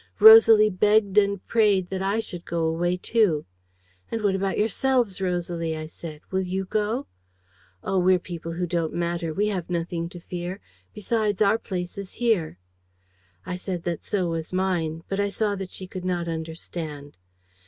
Rosalie begged and prayed that I should go away, too. "'And what about yourselves, Rosalie?' I said. 'Will you go?' "'Oh, we're people who don't matter, we have nothing to fear! Besides, our place is here.' "I said that so was mine; but I saw that she could not understand.